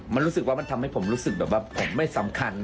มันรู้สึกว่ามันทำให้ผมรู้สึกแบบว่าผมไม่สำคัญ